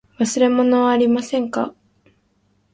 忘れ物はありませんか。